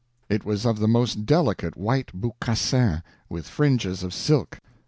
It was of the most delicate white boucassin, with fringes of silk.